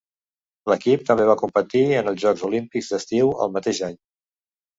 L'equip també va competir en els Jocs Olímpics d'Estiu el mateix any.